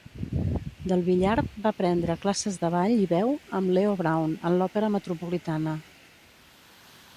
Del Villard va prendre classes de ball i veu amb Leo Braun en l'Òpera Metropolitana.